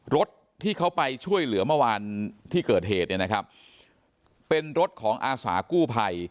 รถที่เขาไปช่วยเหลือเมื่อวานที่เกิดเหตุเนี่ยนะครับเป็นรถของอาสากู้ภัย